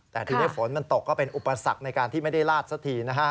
แต่ทีนี้ฝนมันตกก็เป็นอุปสรรคในการที่ไม่ได้ลาดสักทีนะฮะ